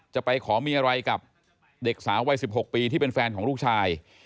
จะไปขอมีอะไรกับเด็กสาววัย๑๖ปีที่เป็นแฟนของลูกชาย